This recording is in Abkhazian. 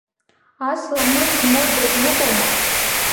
Ас ламыс змоу дазныҟәома?!